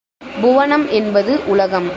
புவனம் என்பது உலகம்.